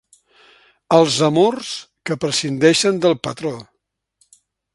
Els amors que prescindeixen del patró.